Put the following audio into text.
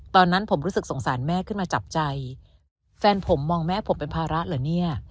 ตอนนั้นผมรู้สึกสงสารแม่ขึ้นมาจับใจแฟนผมมองแม่ผมเป็นภาระเหรอเนี่ย